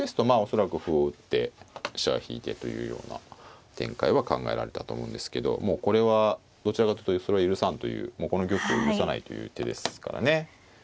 まあ恐らく歩を打って飛車引いてというような展開は考えられたと思うんですけどもうこれはどちらかというとそれは許さんというもうこの玉を許さないという手ですからね。